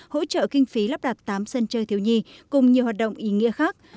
hỗ trợ kinh phí lắp đặt tám sân chơi thiếu nhi cùng nhiều hoạt động ý nghĩa khác